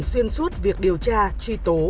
xuyên suốt việc điều tra truy tố